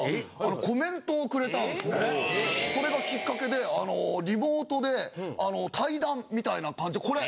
それがきっかけでリモートで対談みたいな感じこれ。